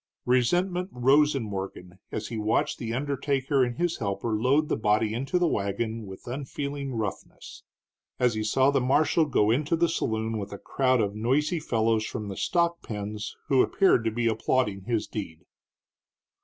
Resentment rose in Morgan as he watched the undertaker and his helper load the body into the wagon with unfeeling roughness; as he saw the marshal go into a saloon with a crowd of noisy fellows from the stock pens who appeared to be applauding his deed.